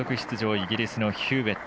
イギリスのヒューウェット。